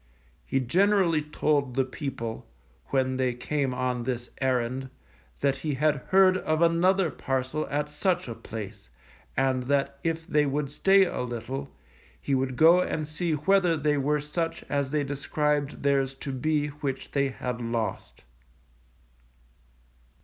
He generally told the people, when they came on this errand, that he had heard of another parcel at such a place, and that if they would stay a little, he would go and see whether they were such as they described theirs to be which they had lost.